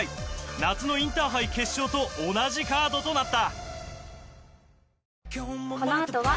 夏のインターハイ決勝と同じカードとなった。